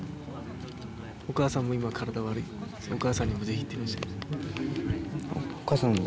お母さんも今体悪いお母さんにもぜひ行ってほしいお母さん